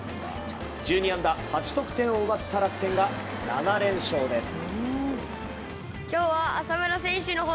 １２安打８得点を奪った楽天が７連勝です。